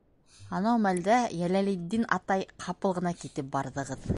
- Анау мәлдә, Йәләлетдин атай, ҡапыл ғына китеп барҙығыҙ.